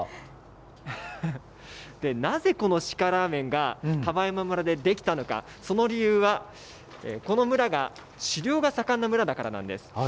なぜ、この鹿ラーメンが丹波山村でできたのか、その理由は、この村が狩猟が盛んな村だからです。